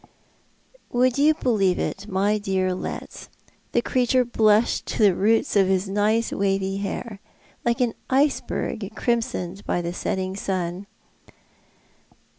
"Would you believe it, my dear Letts, the creature blushed to the roots of his nice wavy hair— like an iceberg crimsoned by the setting sun